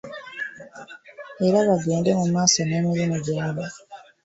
Era bagende mu maaso n’emirimu gyabwe.